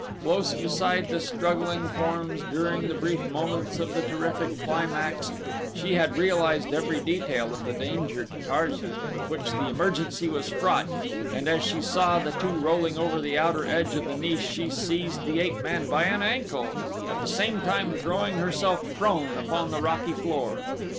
Close beside the struggling forms during the brief moments of the terrific climax she had realized every detail of the danger to Tarzan with which the emergency was fraught and as she saw the two rolling over the outer edge of the niche she seized the ape man by an ankle at the same time throwing herself prone upon the rocky floor.